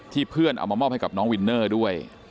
เพื่อนเอามามอบให้กับน้องวินเนอร์ด้วย